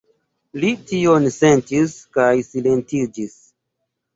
Li tion sentis kaj silentiĝis.